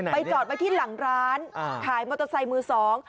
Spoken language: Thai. จอดไว้ที่หลังร้านขายมอเตอร์ไซค์มือสอง